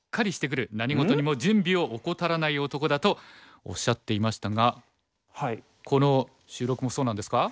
何事にも準備を怠らない男だ」とおっしゃっていましたがこの収録もそうなんですか？